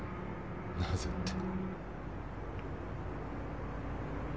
なぜって。